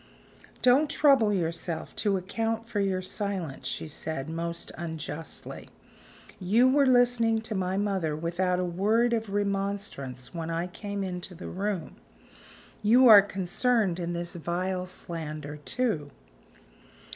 "Don't trouble yourself to account for your silence," she said, most unjustly. "You were listening to my mother without a word of remonstrance when I came into the room. You are concerned in this vile slander, too."